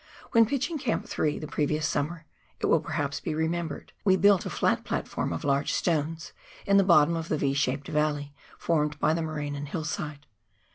"When pitching Camp 3 the previous summer — it will, perhaps, be remembered — we built a flat platform of large stones in the bottom of the Y shaped valley, formed by the moraine and hillside.